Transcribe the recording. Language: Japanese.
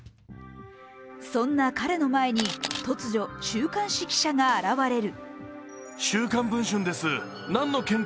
そんな彼の前に突如、週刊誌記者が現れる。